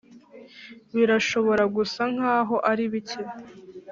birashobora gusa nkaho ari bike